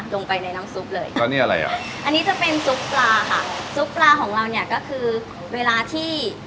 ลงไปในน้ำซุปเลยก็นี่อะไรอ่ะอันนี้จะเป็นซุปปลาค่ะซุปปลาของเราเนี่ยก็คือเวลาที่